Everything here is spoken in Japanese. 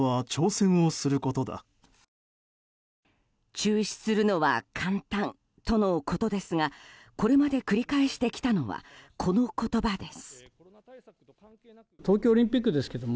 中止するのは簡単とのことですがこれまで繰り返してきたのはこの言葉です。